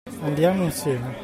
Andiamo insieme.